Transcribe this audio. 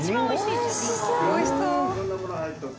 おいしそう。